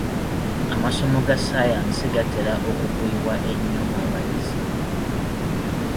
Amasomo ga ssaayansi gatera okugwibwa ennyo abayizi.